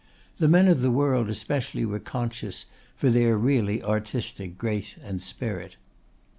The men of the world especially were conspicuous for their really artistic grace and spirit.